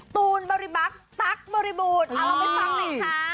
ตูนบริบักษั๊กบริบูรณ์ลองไปฟังหน่อยค่ะ